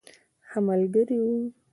ښه ملګری وو.